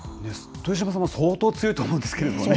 豊島さんも相当強いと思うんですけれども。